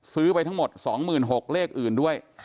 ไปทั้งหมด๒๖๐๐เลขอื่นด้วย